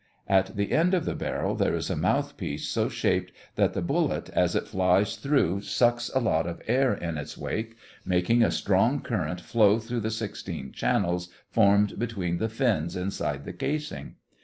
At the end of the barrel there is a mouthpiece so shaped that the bullet, as it flies through, sucks a lot of air in its wake, making a strong current flow through the sixteen channels formed between the fins inside the casing.